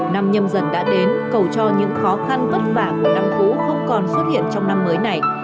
năm nhâm dần đã đến cầu cho những khó khăn vất vả của năm cũ không còn xuất hiện trong năm mới này